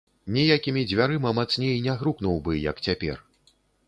Ніякімі дзвярыма мацней не грукнуў бы, як цяпер.